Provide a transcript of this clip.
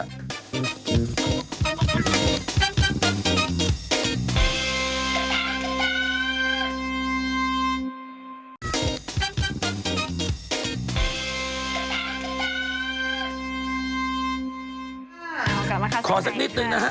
เอากลับมาค่ะสวัสดีค่ะขอสักนิดหนึ่งนะฮะ